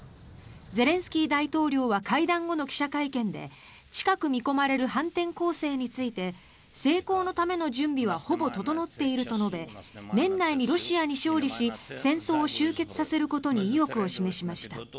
ゼレンスキー大統領は会談後の記者会見で近く見込まれる反転攻勢について成功のための準備はほぼ整っていると述べて年内にロシアに勝利し戦争を終結させることに意欲を示しました。